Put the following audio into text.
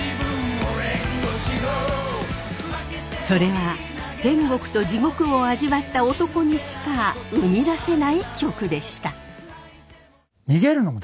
それは天国と地獄を味わった男にしか生み出せない曲でした。